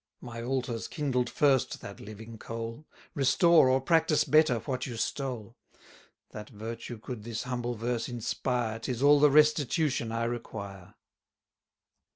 My altars kindled first that living coal; Restore, or practice better, what you stole: That virtue could this humble verse inspire, 'Tis all the restitution I require.